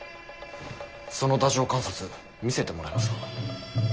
その太政官札見せてもらえますか？